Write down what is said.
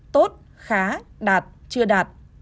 tốt khá đạt chưa đạt